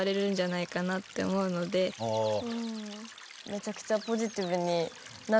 めちゃくちゃポジティブになったよね